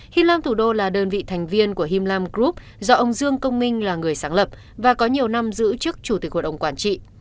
him lam thủ đô là đơn vị thành viên của him lam group do ông dương công minh là người sáng lập và có nhiều năm giữ chức chủ tịch hội đồng quản trị